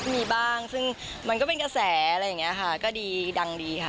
มีบ้างซึ่งมันก็เป็นกระแสอะไรอย่างนี้ค่ะก็ดีดังดีค่ะ